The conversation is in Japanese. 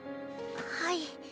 はい。